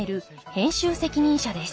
編集責任者です。